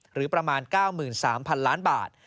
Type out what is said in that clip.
หรือประมาณ๙๓๐๐๐ล้านบาท